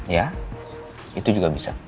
ya itu juga bisa